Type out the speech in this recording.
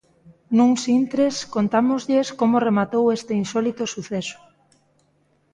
Nuns intres contámoslles como rematou este insólito suceso.